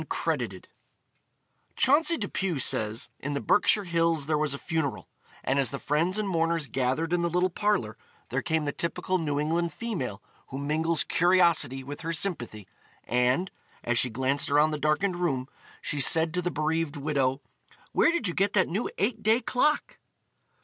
CROWDED Chauncey Depew says: In the Berkshire Hills there was a funeral, and as the friends and mourners gathered in the little parlor, there came the typical New England female who mingles curiosity with her sympathy, and, as she glanced around the darkened room, she said to the bereaved widow: "Where did you get that new eight day clock?"